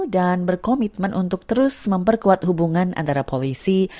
dan berkomitmen untuk terus memperkuat hubungan antara polisi